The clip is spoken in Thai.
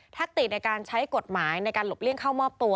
ติในการใช้กฎหมายในการหลบเลี่ยงเข้ามอบตัว